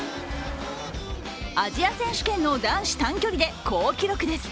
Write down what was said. アジア選手権での男子短距離で好記録です。